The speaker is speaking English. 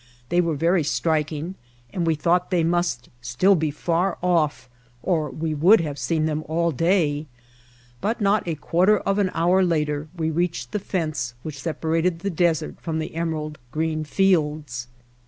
They were very striking and we thought they must still be far off or we would have seen them all day, but not a quarter of an hour later we reached the fence which separated the desert from the emerald green fields.